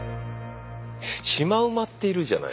シマウマっているじゃない。